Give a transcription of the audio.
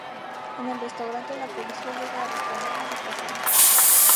En el restaurante, la policía llega a responder la situación.